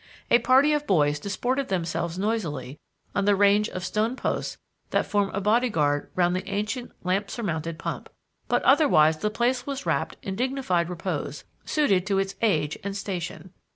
A party of boys disported themselves noisily on the range of stone posts that form a bodyguard round the ancient lamp surmounted pump, but otherwise the place was wrapped in dignified repose suited to its age and station.